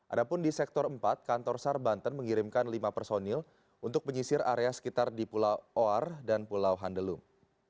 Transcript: adapun di sektor empat kantor sarbanten mengirimkan lima personil untuk menyisir area sekitar di pulau oar dan pulau handelung